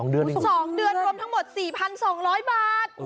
๒เดือนรวมทั้งหมด๔๒๐๐บาท